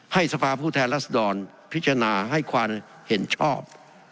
สภาพผู้แทนรัศดรพิจารณาให้ความเห็นชอบ